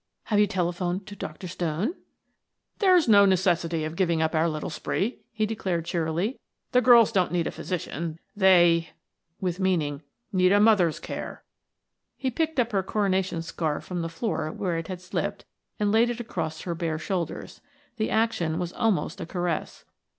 "Have you telephoned for Dr. Stone?" "There is no necessity for giving up our little spree," he declared cheerily. "The girls don't need a physician. They" with meaning, "need a mother's care." He picked up her coronation scarf from the floor where it had slipped and laid it across her bare shoulders; the action was almost a caress.